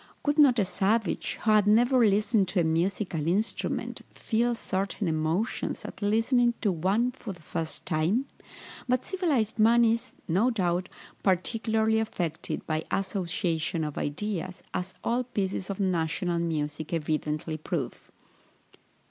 Would not a savage, who had never listened to a musical instrument, feel certain emotions at listening to one for the first time? But civilized man is, no doubt, particularly affected by association of ideas, as all pieces of national music evidently prove.